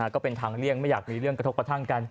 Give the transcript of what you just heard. ก็เป็นทางเลี่ยงไม่อยากมีเรื่องกระทบกระทั่งกัน